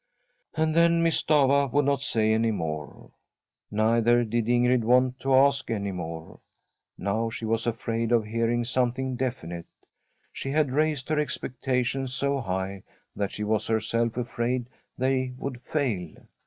And then Miss Stafva would not say any more. Neither did Ingrid want to ask any more. Now she was afraid of hearing something definite. She had raised her expectations so high that she was herself afraid they would fail.